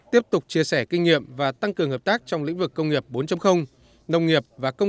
tiếp tục chia sẻ kinh nghiệm và tăng cường hợp tác trong lĩnh vực công nghiệp bốn nông nghiệp và công